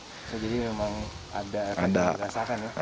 jadi memang ada kerasakan ya